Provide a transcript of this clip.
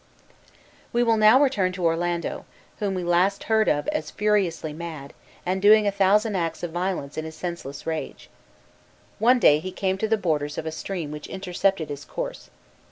We will now return to Orlando, whom we last heard of as furiously mad, and doing a thousand acts of violence in his senseless rage. One day he came to the borders of a stream which intercepted his course.